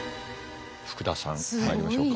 福田さんまいりましょうか。